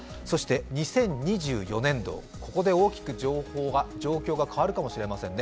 ２０２４年度、ここで大きく状況が変わるかもしれませんね。